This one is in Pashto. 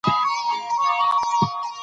ګاز د افغانستان د امنیت په اړه هم اغېز لري.